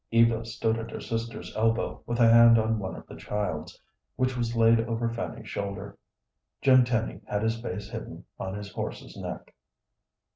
Eva stood at her sister's elbow, with a hand on one of the child's, which was laid over Fanny's shoulder. Jim Tenny had his face hidden on his horse's neck.